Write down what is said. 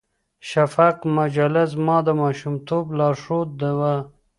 شفق مجله زما د ماشومتوب لارښوده وه.